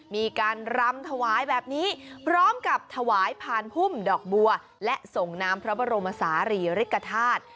มีการรำถวายแบบนี้พร้อมกับถวายผ่านพุ่มดอกบัวและส่งน้ำพระบรมศาลีริกฐาตุ